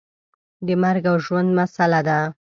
د مرګ او ژوند مسله ده.